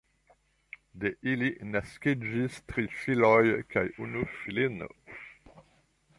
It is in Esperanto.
De ili naskiĝis tri filoj kaj unu filino.